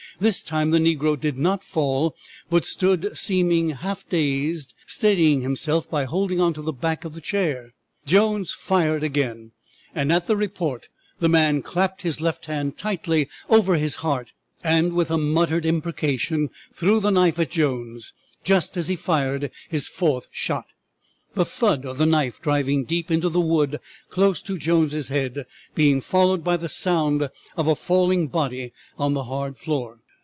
This time the negro did not fall, but stood seeming half dazed, steadying himself by holding on to the back of the chair. Jones fired again, and at the report the man clapped his left hand tightly over his heart, and with a muttered imprecation threw the knife at Jones just as he fired his fourth shot, the thud of the knife driving deep into the wood close to Jones' head being followed by the sound of a falling body on the hard floor.